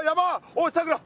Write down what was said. おいさくら！